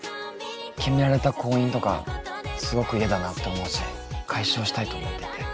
決められた婚姻とかすごく嫌だなって思うし解消したいと思っていて。